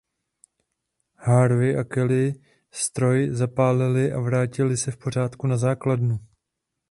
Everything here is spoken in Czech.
Harvey a Kelly stroj zapálili a vrátili se v pořádku na základnu.